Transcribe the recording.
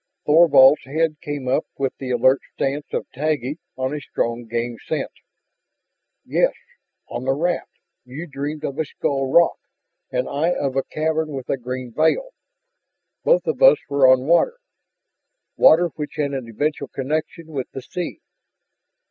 Thorvald's head came up with the alert stance of Taggi on a strong game scent. "Yes, on the raft you dreamed of a skull rock. And I of a cavern with a green veil. Both of us were on water water which had an eventual connection with the sea.